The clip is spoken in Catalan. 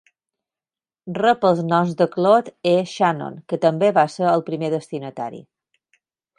Rep els nom de Claude E. Shannon, que també va ser el primer destinatari.